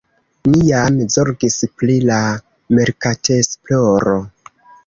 Ni jam zorgis pri la merkatesploro.